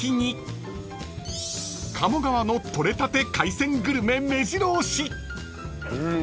［鴨川のとれたて海鮮グルメめじろ押し］